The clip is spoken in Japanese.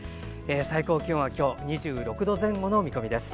最高気温は今日２６度前後の見込みです。